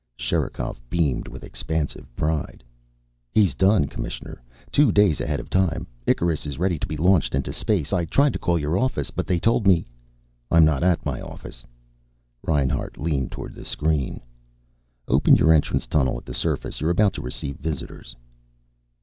Sherikov beamed with expansive pride. "He's done, Commissioner. Two days ahead of time. Icarus is ready to be launched into space. I tried to call your office, but they told me " "I'm not at my office." Reinhart leaned toward the screen. "Open your entrance tunnel at the surface. You're about to receive visitors."